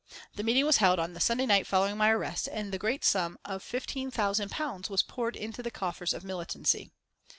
The meeting was held on the Sunday night following my arrest, and the great sum of £15,000 was poured into the coffers of militancy.